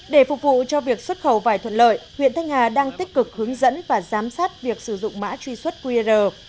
để phục vụ cho việc xuất khẩu vải thuận lợi huyện thanh hà đang tích cực hướng dẫn và giám sát việc sử dụng mã truy xuất qr